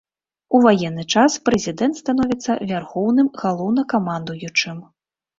У ваенны час прэзідэнт становіцца вярхоўным галоўнакамандуючым.